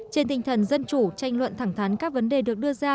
trên tinh thần dân chủ tranh luận thẳng thắn các vấn đề được đưa ra